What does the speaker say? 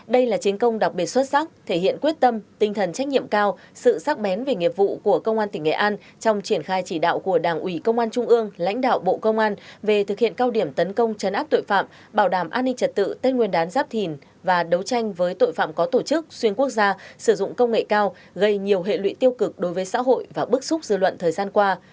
đây là chiến công đặc biệt xuất sắc thể hiện quyết tâm tinh thần trách nhiệm cao sự sắc bén về nghiệp vụ của công an tỉnh nghệ an trong triển khai chỉ đạo của đảng ủy công an trung ương lãnh đạo bộ công an về thực hiện cao điểm tấn công chấn áp tội phạm bảo đảm an ninh trật tự tên nguyên đán giáp thìn và đấu tranh với tội phạm có tổ chức xuyên quốc gia sử dụng công nghệ cao gây nhiều hệ lụy tiêu cực đối với xã hội và bức xúc dư luận thời gian qua